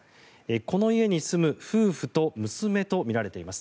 この家に住む夫婦と娘とみられています。